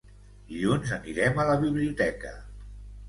Dilluns anirem a la biblioteca.